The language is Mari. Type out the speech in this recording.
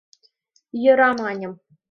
— Йӧра, — маньым.